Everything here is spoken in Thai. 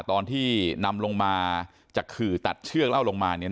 ตอนที่นำลงมาจากขื่อตัดเชือกเล่าลงมาเนี่ย